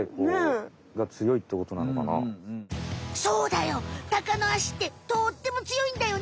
そうだよタカの足ってとっても強いんだよね。